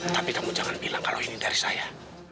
tapi kamu jangan bilang kalau ini dari saya